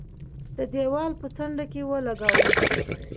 د دېوال په څنډه کې ولګاوه.